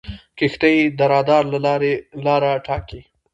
کښتۍ د رادار له لارې لاره ټاکي.